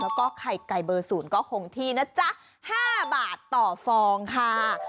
แล้วก็ไข่ไก่เบอร์๐ก็คงที่นะจ๊ะ๕บาทต่อฟองค่ะ